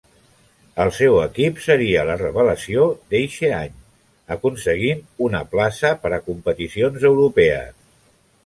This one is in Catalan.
El seu equip seria la revelació d'eixe any, aconseguint una plaça per a competicions europees.